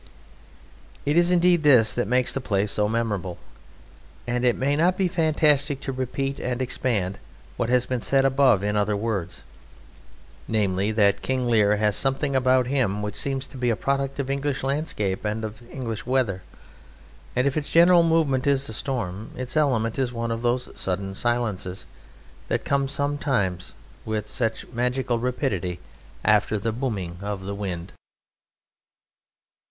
It is indeed this that makes the play so memorable. And it may not be fantastic to repeat and expand what has been said above in other words, namely, that King Lear has something about him which seems to be a product of English landscape and of English weather, and if its general movement is a storm its element is one of those sudden silences that come sometimes with such magical rapidity after the booming of the wind.